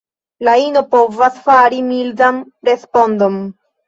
La ino povas fari mildan respondon.